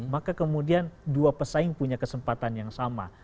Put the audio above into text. maka kemudian dua pesaing punya kesempatan yang sama